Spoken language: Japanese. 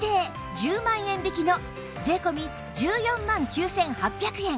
１０万円引きの税込１４万９８００円